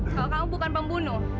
kalau kamu bukan pembunuh